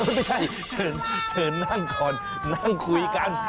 ไม่ใช่เชิญนั่งก่อนนั่งคุยกัน